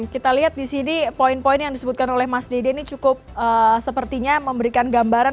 kita lihat di sini poin poin yang disebutkan oleh mas dede ini cukup sepertinya memberikan gambaran